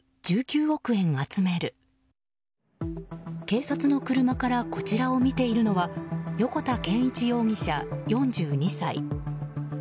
警察の車からこちらを見ているのは横田健一容疑者、４２歳。